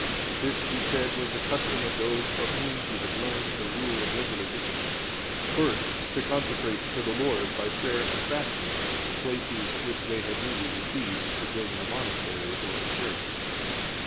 This, he said, was the custom of those of whom he had learned the rule of regular discipline, first to consecrate to the Lord, by prayer and fasting, the places which they had newly received for building a monastery or a church.